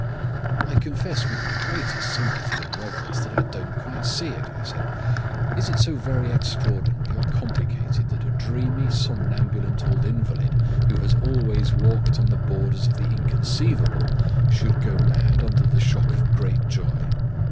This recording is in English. "I confess with the greatest sympathy and reverence that I don't quite see it," I said. "Is it so very extraordinary or complicated that a dreamy somnambulant old invalid who has always walked on the borders of the inconceivable should go mad under the shock of great joy?